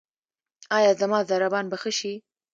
ایا زما ضربان به ښه شي؟